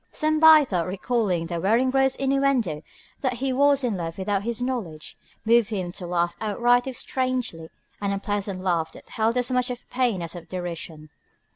Some by thought recalling the Weringrode's innuendo that he was in love without his knowledge, moved him to laugh outright if strangely, an unpleasant laugh that held as much of pain as of derision.